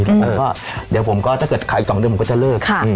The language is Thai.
แล้วก็เดี๋ยวผมก็ถ้าเกิดขายอีกสองเดือนมันก็จะเริ่มค่ะ